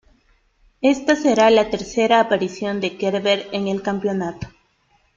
Esta será la tercera aparición de Kerber en el Campeonato.